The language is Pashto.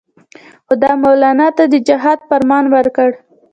خو ده مولنا ته د جهاد فرمان ورکړ.